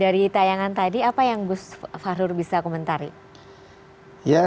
dari tayangan tadi apa yang bisa menyebutkan